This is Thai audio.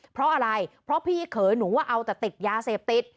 เพราะอะไรเพราะพี่เขยหนูว่าเอาแต่ติดยาเสพติด